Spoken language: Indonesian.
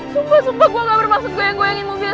sumpah sumpah gue gak bermaksud goyang goyangin mobilnya